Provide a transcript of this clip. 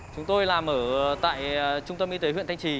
chúng tôi làm ở tại trung tâm y tế huyện thanh trì